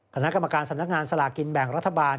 คณะกรรมการสำนักงานสลากินแบ่งรัฐบาล